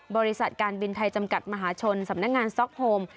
บริษัทการบินไทยจำกัดมหาชนสำนักงานซ็อกโฮม